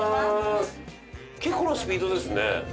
結構なスピードですね。